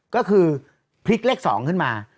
ก็คือพลิกเลข๒ขึ้นมา